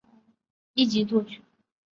一级作曲。